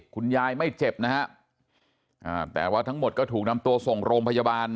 คุณยายไม่เจ็บนะฮะแต่ว่าทั้งหมดก็ถูกนำตัวส่งโรงพยาบาล